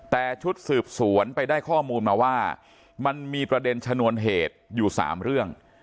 แต่ชุดสืบสวนไปได้ข้อมูลมาว่ามันมีประเด็นชนวนเหตุอยู่๓เรื่อง